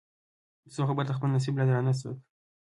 سو خبر د خپل نصیب له درانه سوکه